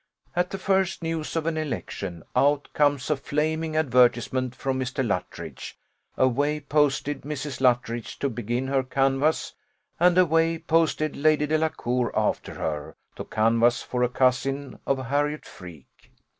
At the first news of an election, out comes a flaming advertisement from Mr. Luttridge; away posted Mrs. Luttridge to begin her canvass, and away posted Lady Delacour after her, to canvass for a cousin of Harriot Freke.